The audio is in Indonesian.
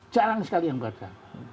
jarang sekali yang baca